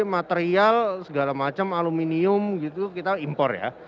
material segala macam aluminium gitu kita impor ya